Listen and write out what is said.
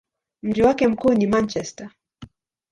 Mji wake mkuu ni Manchester.